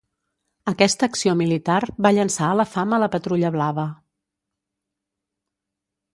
Aquesta acció militar va llançar a la fama la Patrulla Blava.